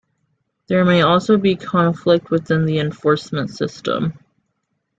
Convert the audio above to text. There may also be conflict within the enforcement system.